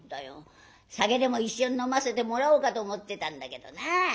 酒でも一緒に飲ませてもらおうかと思ってたんだけどな。